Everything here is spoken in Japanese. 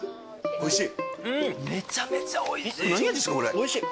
おいしい。